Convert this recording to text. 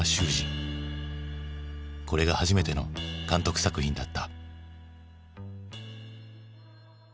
これが初めての監督作品だった。